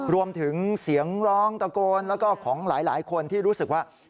รวมถึงเสียงร้องตะโกนแล้วก็ของหลายคนที่รู้สึกว่า